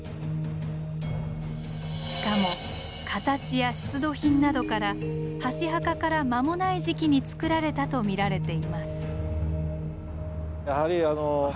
しかも形や出土品などから箸墓から間もない時期につくられたと見られています。